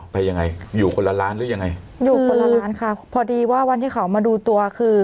ไปยังไงอยู่คนละล้านหรือยังไงอยู่คนละล้านค่ะพอดีว่าวันที่เขามาดูตัวคือ